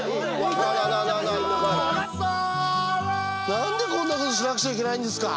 何でこんな事しなくちゃいけないんですか？